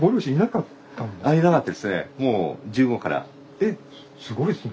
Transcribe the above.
えっすごいですね。